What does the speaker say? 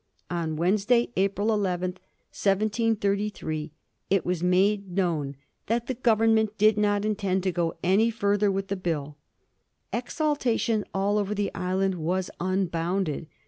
On Wednesday, April 11, 1733, it was made known that the Govern ment did not intend to go any further with the Bill. Exultation all over the island was unbounded.